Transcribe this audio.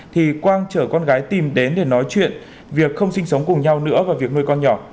thì quang chở con gái tìm đến để nói chuyện việc không sinh sống cùng nhau nữa vào việc nuôi con nhỏ